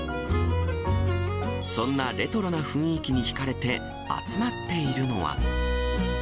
そんなレトロな雰囲気に引かれて集まっているのは。